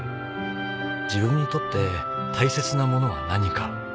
自分にとって大切なものは何か。